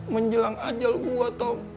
menjelang ajal gue tom